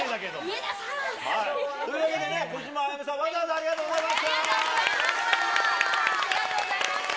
上田さん。というわけで、小島あやめさん、わざわざありがとうございました。